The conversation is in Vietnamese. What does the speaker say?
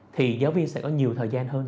thì giáo viên sẽ có nhiều thời gian hơn